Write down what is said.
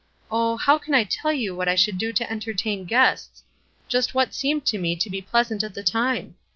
Oh, how can I tell what I should do to entertain guests? Just what seemed to me to be pleasant at the time.